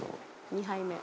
「２杯目」